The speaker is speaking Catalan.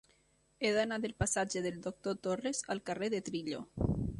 He d'anar del passatge del Doctor Torres al carrer de Trillo.